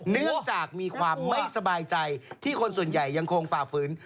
เนื่องจากมีความไม่สบายใจที่คนส่วนใหญ่ยังคงฝ่าฝืน